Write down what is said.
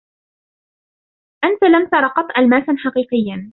أنت لم تر قط ألماسا حقيقيا.